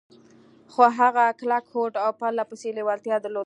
خو هغه کلک هوډ او پرله پسې لېوالتيا درلوده.